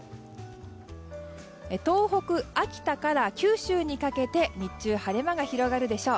東北、秋田から九州にかけて日中、晴れ間が広がるでしょう。